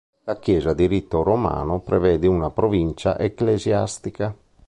La Chiesa di rito romano prevede una provincia ecclesiastica.